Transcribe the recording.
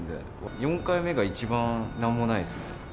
４回目が一番なんもないですね。